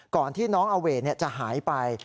ก่อนที่น้องอาเวจะหายไป